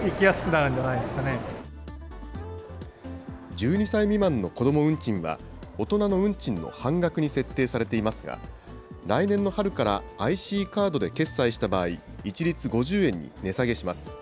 １２歳未満の子ども運賃は大人の運賃の半額に設定されていますが、来年の春からＩＣカードで決済した場合、一律５０円に値下げします。